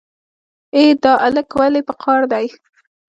ای دا الک ولې په قار دی.